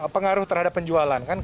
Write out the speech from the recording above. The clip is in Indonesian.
pengaruh terhadap penjualan kan